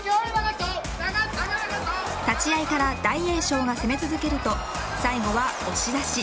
立ち合いから大栄翔が攻め続けると最後は押し出し。